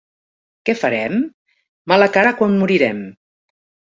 Què farem? —Mala cara quan morirem.